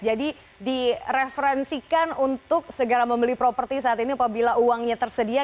jadi direferensikan untuk segera membeli properti saat ini apabila uangnya tersedia